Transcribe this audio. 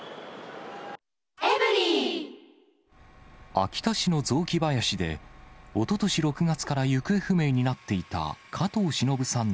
秋田市の雑木林で、おととし６月から行方不明になっていた加藤しのぶさん